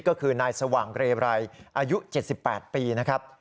ก็คือนายสว่างเรไรอายุ๗๘ปีนะครับ